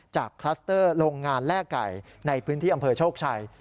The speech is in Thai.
คลัสเตอร์โรงงานแลกไก่ในพื้นที่อำเภอโชคชัย